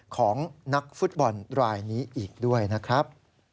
ของนักฟุตบอลรายนี้อีกด้วยนะครับ